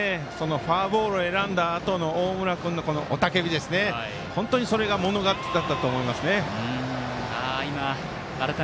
フォアボールを選んだあとの大村君の雄たけびそれが物語っていたと思います。